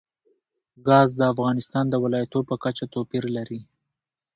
ګاز د افغانستان د ولایاتو په کچه توپیر لري.